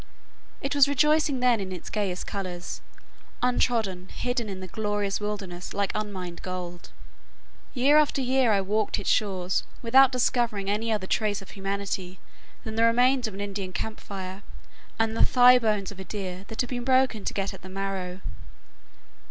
It was rejoicing then in its gayest colors, untrodden, hidden in the glorious wildness like unmined gold. Year after year I walked its shores without discovering any other trace of humanity than the remains of an Indian camp fire, and the thigh bones of a deer that had been broken to get at the marrow.